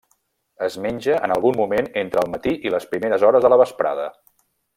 Es menja en algun moment entre el matí i les primeres hores de la vesprada.